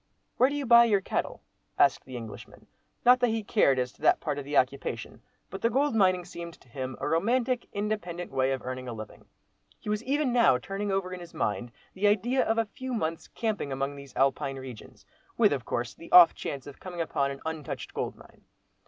"Where do you buy your cattle?" asked the Englishman—not that he cared as to that part of the occupation, but the gold mining seemed to him a romantic, independent way of earning a living. He was even now turning over in his mind the idea of a few months camping among these Alpine regions, with, of course, the off chance of coming upon an untouched gold mine.